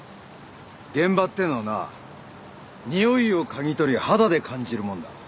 現場ってのはなあにおいを嗅ぎ取り肌で感じるもんだ。